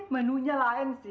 menunya lain sih